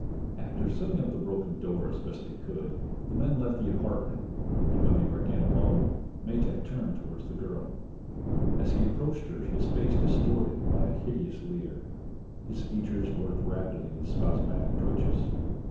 After setting up the broken door as best they could, the men left the apartment and when they were again alone Metak turned toward the girl. As he approached her, his face distorted by a hideous leer, his features worked rapidly in spasmodic twitches.